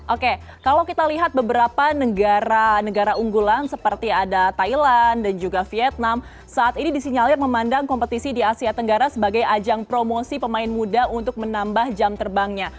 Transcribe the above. oke kalau kita lihat beberapa negara negara unggulan seperti ada thailand dan juga vietnam saat ini disinyalir memandang kompetisi di asia tenggara sebagai ajang promosi pemain muda untuk menambah jam terbangnya